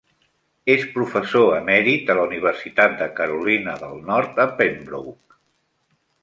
És professor emèrit a la Universitat de Carolina del Nord a Pembroke.